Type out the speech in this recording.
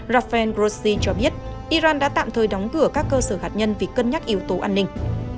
rafael grossin cho biết iran đã tạm thời đóng cửa các cơ sở hạt nhân vì cân nhắc yếu tố an ninh